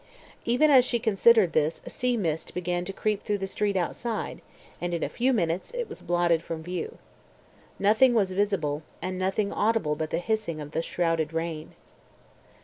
Even as she considered this a sea mist began to creep through the street outside, and in a few minutes it was blotted from view. Nothing was visible, and nothing audible but the hissing of the shrouded rain.